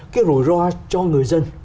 cái rủi ro cho người dân